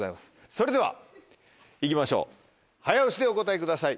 それではいきましょう早押しでお答えください。